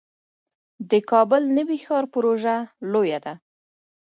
د کابل نوی ښار پروژه لویه ده